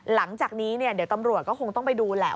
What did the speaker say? หลังจากนี้เนี่ยเดี๋ยวตำรวจก็คงต้องไปดูแหละ